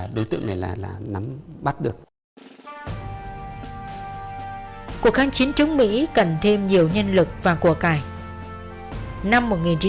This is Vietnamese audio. đối tượng này là là nắm bắt được cuộc kháng chiến chống mỹ cần thêm nhiều nhân lực và của cải năm